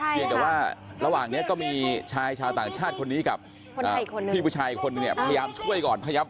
เพียงแต่ว่าระหว่างนี้ก็มีชายชาวต่างชาติคนนี้กับพี่ผู้ชายอีกคนนึงเนี่ยพยายามช่วยก่อน